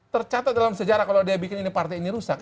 tercatat dalam sejarah kalau dia bikin ini partai ini rusak